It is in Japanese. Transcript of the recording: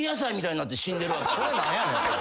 それ何やねん。